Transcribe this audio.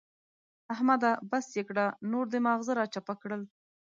احمده! بس يې کړه نور دې ماغزه را چپه کړل.